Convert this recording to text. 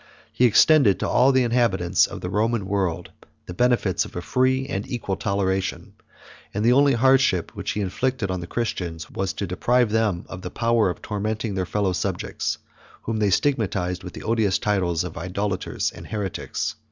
He extended to all the inhabitants of the Roman world the benefits of a free and equal toleration; and the only hardship which he inflicted on the Christians, was to deprive them of the power of tormenting their fellow subjects, whom they stigmatized with the odious titles of idolaters and heretics.